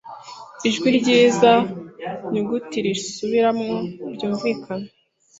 Ijwi ryizi nyuguti risubiramo byumvikanye